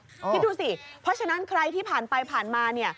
พี่ดูสิเพราะฉะนั้นใครที่ผ่านไปผ่านมา